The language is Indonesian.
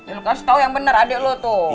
ya kasih tau yang bener adik lo tuh